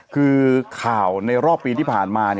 คือข่าวในรอบปีที่ผ่านมา